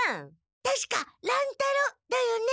たしか乱太郎だよね？